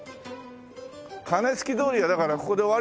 鐘つき通りはだからここで終わりだよ。